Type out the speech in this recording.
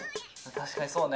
確かにそうね。